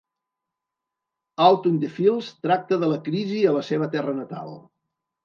"Out in the Fields" tracta de la crisi a la seva terra natal.